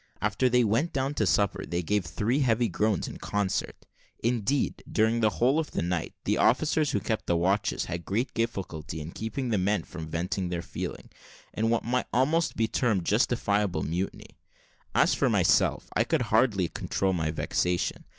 After they went down to supper they gave three heavy groans in concert; indeed, during the whole of that night, the officers who kept the watches had great difficulty in keeping the men from venting their feeling, in what might be almost termed justifiable mutiny. As for myself, I could hardly control my vexation.